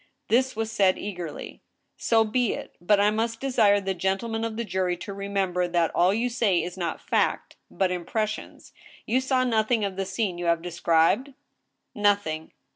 This was said eagerly. " So be it ; but I must desire the gentlemen of the jury to remem ber that all you say is not fact, but impressions. You saw nothing of the scene you have described ?"Nothing."